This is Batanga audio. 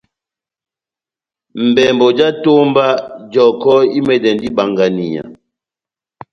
Mbɛmbɔ já etómba jɔkɔ́ imɛndɛndi ibanganiya.